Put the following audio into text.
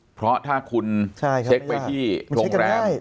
เพราะถ้าคุณเช็คไปที่โรงแรม